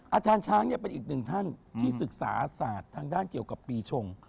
อาจารย์ช้างเป็นอีกหนึ่งท่านที่ศึกษาศาสตร์ทางด้านเกี่ยวกับปีชง